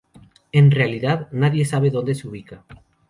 En realidad nadie sabe donde se ubica.